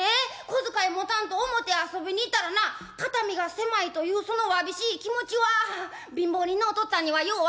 小遣い持たんと表遊びに行ったらな肩身が狭いというそのわびしい気持ちは貧乏人のおとっつぁんにはよう